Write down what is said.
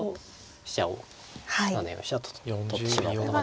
飛車を７四飛車と取ってしまうことができるので。